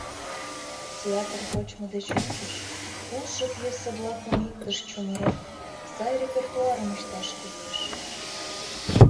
Театр почмо деч ончыч, улшо пьесе-влакым иктыш чумырен, сай репертуарым ышташ кӱлеш.